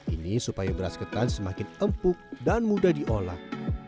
ini supaya beras ketan semakin empuk dan mudah diolah